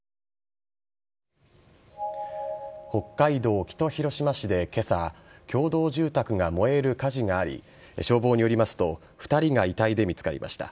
北海道北広島市で今朝共同住宅が燃える火事があり消防によりますと２人が遺体で見つかりました。